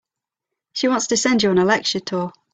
She wants to send you on a lecture tour.